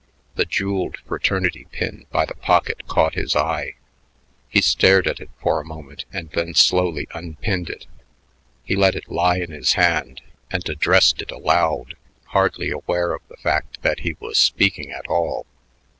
The jeweled fraternity pin by the pocket caught his eye. He stared at it for a moment and then slowly unpinned it. He let it lie in his hand and addressed it aloud, hardly aware of the fact that he was speaking at all.